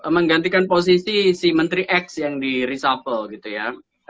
menggantikan posisi si menteri x yang di reshuffle gitu ya